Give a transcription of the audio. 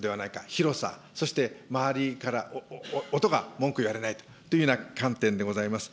広さ、そして周りから音が、文句言われないというような観点でございます。